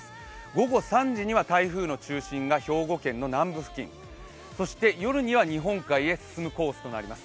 午後３時には台風の中心部が兵庫県の南部付近、そして夜には日本海へ進むコースとなります。